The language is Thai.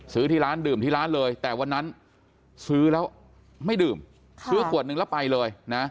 ที่ร้านดื่มที่ร้านเลยแต่วันนั้นซื้อแล้วไม่ดื่มซื้อขวดนึงแล้วไปเลยนะ